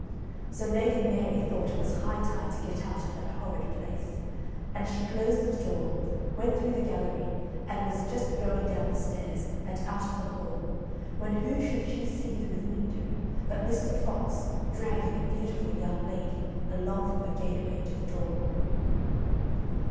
So Lady Mary thought it was high time to get out of that horrid place, and she closed the door, went through the gallery, and was just going down the stairs, and out of the hall, when who should she see through the window, but Mr. Fox dragging a beautiful young lady along from the gateway to the door.